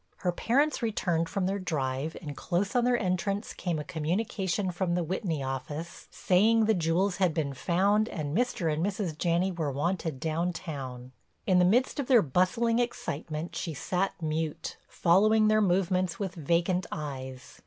Her parents returned from their drive and close on their entrance came a communication from the Whitney office, saying the jewels had been found and Mr. and Mrs. Janney were wanted downtown. In the midst of their bustling excitement she sat mute, following their movements with vacant eyes.